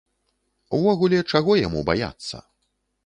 Увогуле, чаго яму баяцца.